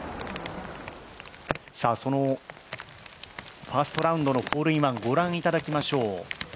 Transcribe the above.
そのファーストラウンドのホールインワンご覧いただきましょう。